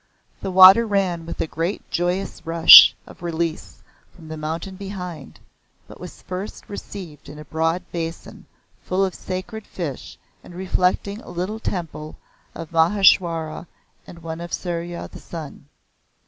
The water ran with a great joyous rush of release from the mountain behind, but was first received in a broad basin full of sacred fish and reflecting a little temple of Maheshwara and one of Surya the Sun.